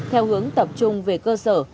theo hướng tập trung về cơ sở